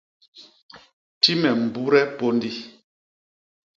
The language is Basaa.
Ti me mbude pôndi.